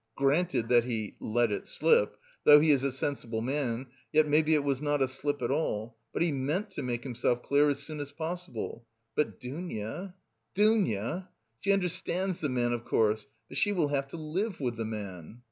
Granted that he 'let it slip,' though he is a sensible man, (yet maybe it was not a slip at all, but he meant to make himself clear as soon as possible) but Dounia, Dounia? She understands the man, of course, but she will have to live with the man.